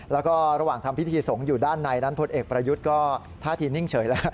แล้วก็ระหว่างทำพิธีสงฆ์อยู่ด้านในนั้นพลเอกประยุทธ์ก็ท่าทีนิ่งเฉยแล้ว